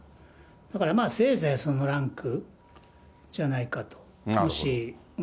だから、せいぜい、そのランクじゃないかと、もし。